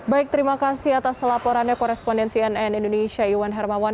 baik terima kasih atas laporannya korespondensi nn indonesia iwan hermawan